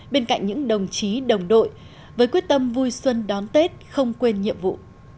bên cạnh những đồng chí đồng đội với quyết tâm vui xuân đón tết không quên nhiệm vụ